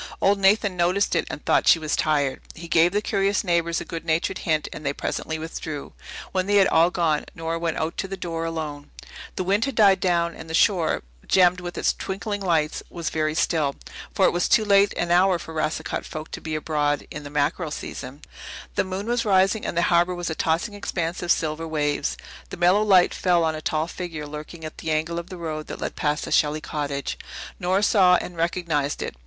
Old Nathan noticed it and thought she was tired. He gave the curious neighbours a good natured hint, and they presently withdrew. When they had all gone Nora went out to the door alone. The wind had died down and the shore, gemmed with its twinkling lights, was very still, for it was too late an hour for Racicot folk to be abroad in the mackerel season. The moon was rising and the harbour was a tossing expanse of silver waves. The mellow light fell on a tall figure lurking at the angle of the road that led past the Shelley cottage. Nora saw and recognized it.